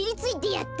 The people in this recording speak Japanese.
やった！